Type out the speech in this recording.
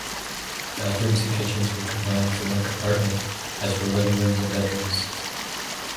Bathrooms and kitchens were combined into one compartment, as were living rooms and bedrooms.